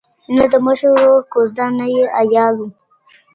نه د مشر ورور کوزده نه یې عیال وو ,